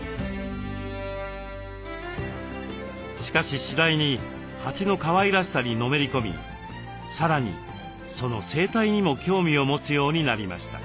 しかし次第に蜂のかわいらしさにのめり込みさらにその生態にも興味を持つようになりました。